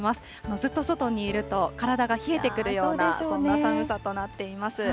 ずっと外にいると体が冷えてくるような、そんな寒さとなっています。